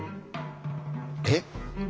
えっ？